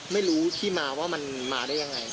ไม่รู้ที่มาว่ามันมาได้ยังไง